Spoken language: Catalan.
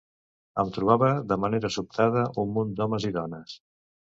Em trobava de manera sobtada un munt d’homes i dones.